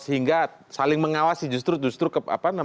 sehingga saling mengawasi justru justru kecurangan itu akan bisa masuk ke sana